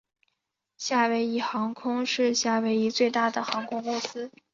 夏威夷航空是夏威夷最大的航空公司。